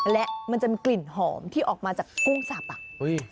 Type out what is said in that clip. และมันจะมีกลิ่นหอมที่ออกมาจากกุ้งสับอ่ะ